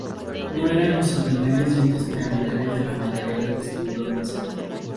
No eran los ordinarios dientes piramidales de la mayoría de los tiburones.